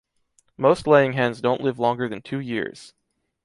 Most laying hens don’t live longer than two years.